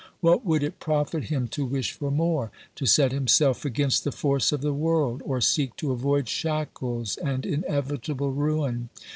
What would it profit him to wish for more, to set himself against the force of the world, or seek to avoid shackles and in evitable ruin